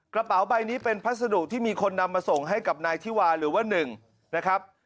กระเป๋าใบนี้เป็นพัสดุที่มีคนนำมาส่งให้กับนายธิวาหรือว่าหนึ่งนะครับ